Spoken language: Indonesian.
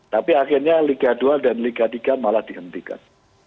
tapi akhirnya liga dua dan liga tiga malah dihentikan